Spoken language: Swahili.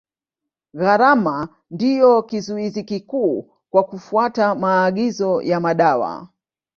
Gharama ndio kizuizi kikuu kwa kufuata maagizo ya madawa.